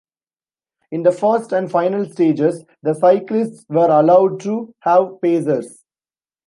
In the first and final stages, the cyclists were allowed to have pacers.